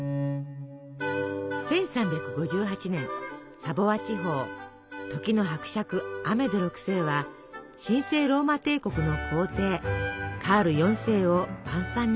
１３５８年サヴォワ地方時の伯爵アメデ６世は神聖ローマ帝国の皇帝カール４世を晩餐に招きます。